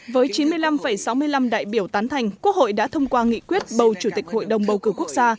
với chín mươi năm sáu mươi năm đại biểu tán thành quốc hội đã thông qua nghị quyết bầu chủ tịch hội đồng bầu cử quốc gia